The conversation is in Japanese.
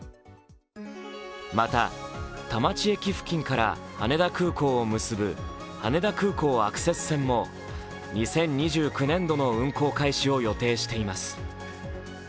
また、田町駅付近から羽田空港を結ぶ羽田空港アクセス線も２０２９年度の運行開始を予定しています。